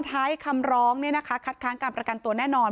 ท้ายคำร้องคัดค้างการประกันตัวแน่นอน